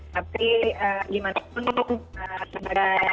tapi gimana pun sebagai seorang fans gitu ya